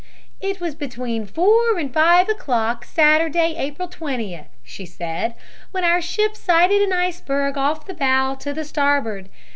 "It was between 4 and 5 o'clock, Saturday, April 20th," she said, "when our ship sighted an iceberg off the bow to the starboard.